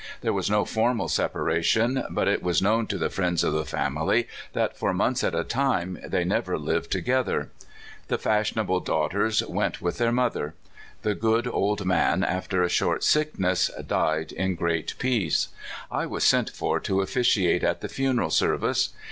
There was no formal separa tion, but it was known to the friends of the family that for months at a time they never lived together. The fashionable daughters went with their mother. The good old man, after a short sickness, died in great peace. I was sent for to officiate at the funeral service.